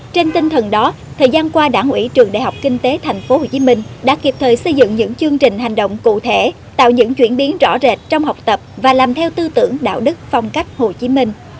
trên tinh thần đó thời gian qua đảng ủy trường đại học kinh tế tp hcm đã kịp thời xây dựng những chương trình hành động cụ thể tạo những chuyển biến rõ rệt trong học tập và làm theo tư tưởng đạo đức phong cách hồ chí minh